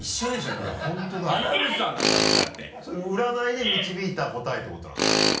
それ占いで導いた答えってことなんですか？